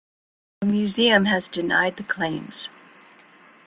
The museum has denied the claims.